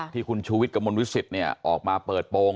ที่คุณชุวิตกับมนต์วิสิตเนี่ยออกมาเปิดโปรง